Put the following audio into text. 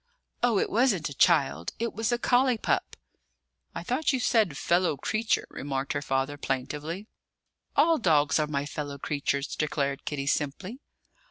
"Oh, it wasn't a child; it was a collie pup." "I thought you said 'fellow creature,'" remarked her father plaintively. "All dogs are my fellow creatures," declared Kitty simply.